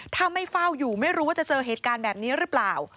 ถ้าไม่เฝ้าอยู่ไม่รู้ว่าจะเจอเหตุการณ์แบบนี้หรือเปล่า